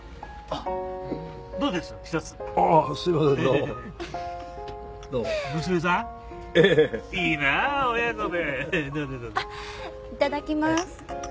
あっいただきます。